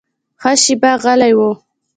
ښه شېبه غلی و.